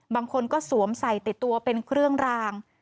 บางคนก็สวมใส่ติดตัวเป็นเครื่องราง